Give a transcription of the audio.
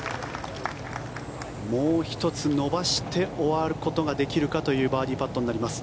もう１つ伸ばして終わることができるかというバーディーパットになります。